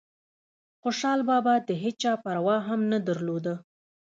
خوشحال بابا دهيچا پروا هم نه درلوده